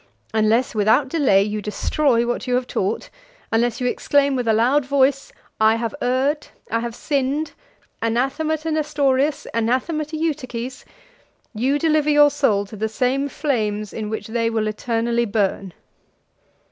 Unless, without delay, you destroy what you have taught; unless you exclaim with a loud voice, I have erred, I have sinned, anathema to Nestorius, anathema to Eutyches, you deliver your soul to the same flames in which they will eternally burn."